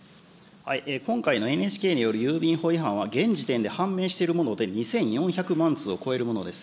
今回のＮＨＫによる郵便法違反は、現時点で判明しているもので２４００万通を超えるものです。